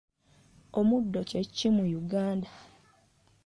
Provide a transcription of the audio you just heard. Omuddo kye ki mu Uganda?